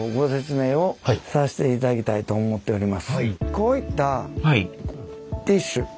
こういったティッシュ。